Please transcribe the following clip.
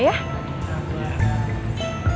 boleh k sera